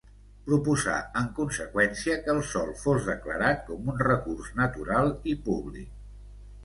Proposà en conseqüència que el sòl fos declarat com un recurs natural i públic.